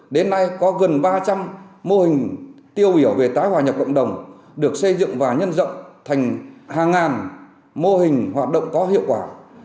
đến nay có gần ba trăm linh mô hình tiêu biểu về tái hòa nhập cộng đồng được xây dựng và nhân rộng thành hàng ngàn mô hình hoạt động có hiệu quả